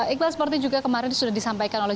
iqbal seperti juga kemarin sudah disampaikan oleh